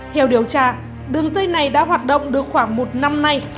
theo điều tra đường dây này đã hoạt động được khoảng một năm nay